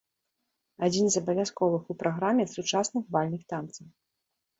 Адзін з абавязковых у праграме сучасных бальных танцаў.